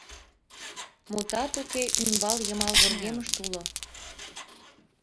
Мутат уке, ӱмбал-йымал вургемышт уло.